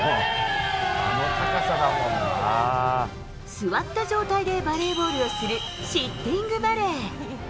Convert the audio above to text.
座った状態でバレーボールをするシッティングバレー。